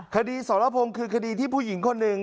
สรพงศ์คือคดีที่ผู้หญิงคนหนึ่ง